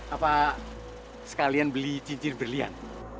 apa sekalian beli cincir berlian